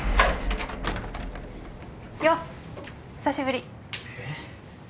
久しぶり。